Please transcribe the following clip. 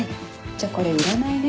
じゃあこれいらないね。